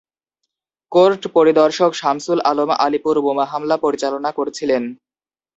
Court পরিদর্শক শামসুল আলম আলিপুর বোমা মামলা পরিচালনা করছিলেন।